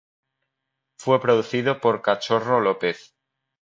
Fue producido por Cachorro López.